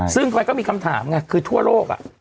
ซึ่งก็มีคำถามไงคือทั่วโลกอ่ะ